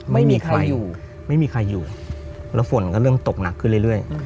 ไม่มีใครอยู่ไม่มีใครอยู่แล้วฝนก็เริ่มตกหนักขึ้นเรื่อย